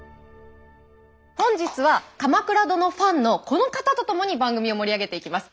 本日は「鎌倉殿」ファンのこの方と共に番組を盛り上げていきます。